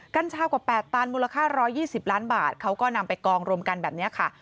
กัญชากว่า๘ตันมูลค่า๑๒๐ล้านบาทเขาก็นำไปกองรวมกันแบบนี้ค่ะ